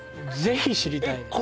ぜひ知りたい